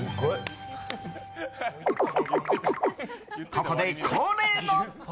ここで恒例の。